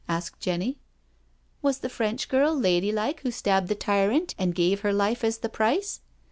asked Jenny. "Was the French g^rl ladylike who stabbed the tyrant, and gave her life as the price?